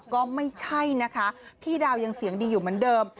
ก็ไม่ใช่นะคะพี่ดาวยังเสียงดีอยู่เหมือนเดิม